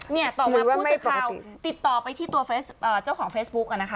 เนี่ยต่อมาผู้สื่อข่าวติดต่อไปที่ตัวเจ้าของเฟซบุ๊กอะนะคะ